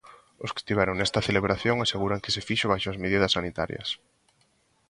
Os que estiveron nesta celebración aseguran que se fixo baixo as medidas sanitarias.